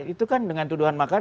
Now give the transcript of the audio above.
itu kan dengan tuduhan makar